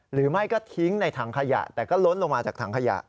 หรือไม่ก็ทิ้งในถังขยะแต่ก็ล้นลงมาจากถังขยะ